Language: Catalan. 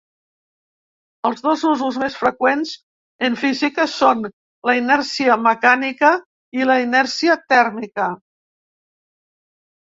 Els dos usos més freqüents en física són la inèrcia mecànica i la inèrcia tèrmica.